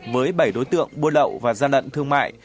với bảy đối tượng buôn lậu và gian lận thương mại